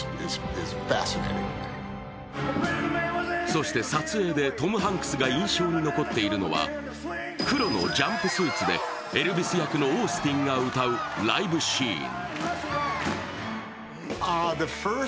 そして、撮影でトム・ハンクスが印象に残っているのは黒のジャンプスーツでエルヴィス役のオースティンが歌うライブシーン。